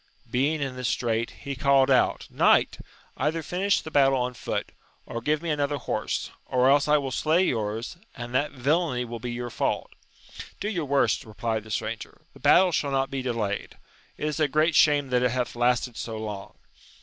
Being in this strait, he called out. Knight! either finish the battle on foot, or give me another horse, or else I will slay yours, and that villainy will be your fault. Do your worst ! replied the stranger : the battle shall not be delayed ; it is a great shame that it hath lasted so long.